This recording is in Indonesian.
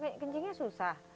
maksudnya kencingnya susah